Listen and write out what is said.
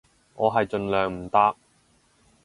我係盡量唔搭